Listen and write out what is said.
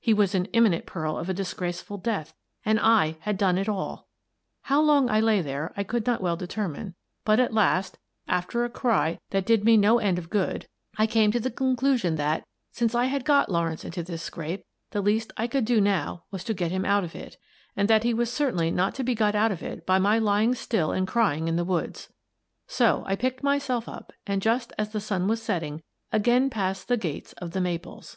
He was in imminent peril of a disgraceful death — and I had done it all ! How long I lay there, I could not well determine, but at last, after a cry that did me no end of good, 180 unvg ^^h The Woman in the Case 181 :^SSBBS=SS===S==B=B=S I came to the conclusion that, since I had got Law rence into this scrape, the least I could now do was to get him out of it, and that he was certainly not to be got out of it by my lying still and crying in the woods. So I picked myself up and, just as the sun was setting, again passed the gates of "The Maples."